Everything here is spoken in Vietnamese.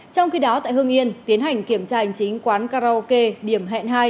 trong khi đó tại hương yên tiến hành kiểm tra hành chính quán karaoke điểm hẹn hai